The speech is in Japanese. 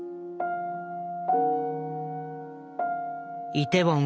イテウォン